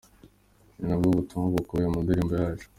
Ni nabwo butumwa bukubiye mu ndirimbo yacu.